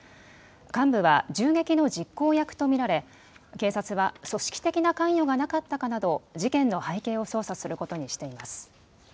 幹部は銃撃の実行役と見られ警察は組織的な関与がなかったかなど事件の背景を捜査することにしています。